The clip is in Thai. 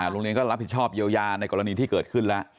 โรงเรียนก็รับผิดชอบเยียวยาในกรณีที่เกิดขึ้นแล้ว